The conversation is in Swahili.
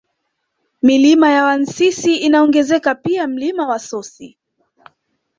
Milima ya Wansisi inaongezeka pia Mlima Wasosi